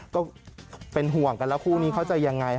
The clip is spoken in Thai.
ก็เป็นห่วงกันแล้วคู่นี้เขาจะยังไง